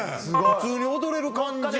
普通に踊れる感じ。